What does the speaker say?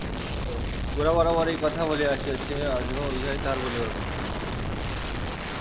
গোরা বরাবর এই কথা বলিয়া আসিয়াছে, আজও ইহাই তাহার বলিবার কথা।